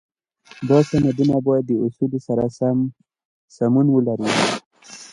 دا سندونه باید د اصولو سره سمون ولري.